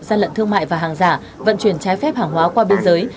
gian lận thương mại và hàng giả vận chuyển trái phép hàng hóa qua biên giới